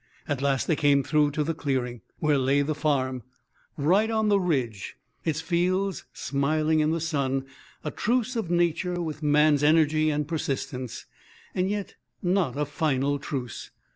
At last they came through to the clearing, where lay the farm, right on the ridge, its fields smiling in the sun, a truce of Nature with man's energy and persistence. Yet not a final truce.